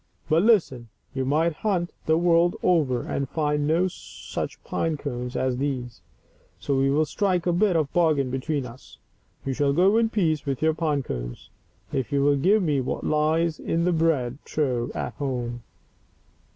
But Ibten, you might hunt the world over, and find no such pine cones as these; so we will strike a bit of a bargain between us. You shall go in peace with your pine cones if you will give me what lies in the bread trough at home."